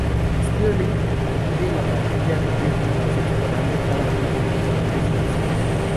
Stirling divide la partida en tres grupos, explorando cada una en diferentes direcciones.